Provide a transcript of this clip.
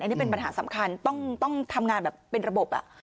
อันนี้เป็นปัญหาสำคัญต้องทำงานแบบเป็นระบบ